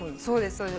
そうです。